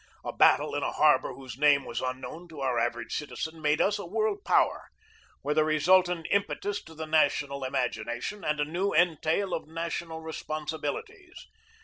A battle in a harbor whose name was un known to our average citizen made us a world power, with a resultant impetus to the national imagination and a new entail of national responsibilities.